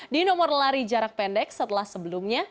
di nomor lari jarak pendek setelah sebelumnya